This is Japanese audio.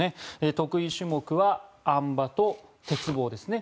得意種目はあん馬と鉄棒ですね。